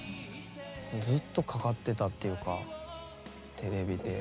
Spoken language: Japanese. ずっとかかってたっていうかテレビで。